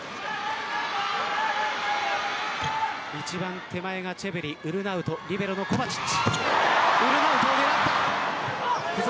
一番手前がチェブリ、ウルナウトリベロのコバチッチ。